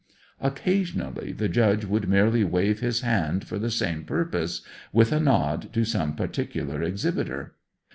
Occasionally the Judge would merely wave his hand for the same purpose, with a nod to some particular exhibitor.